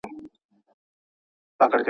خپل ذهن له منفي افکارو وساتئ.